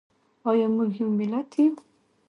ایا موږ یو ملت یو؟